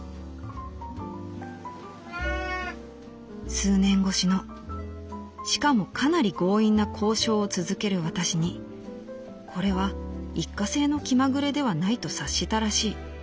「数年越しのしかもかなり強引な交渉を続ける私にこれは一過性の気まぐれではないと察したらしい。